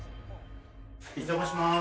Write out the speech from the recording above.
お邪魔します。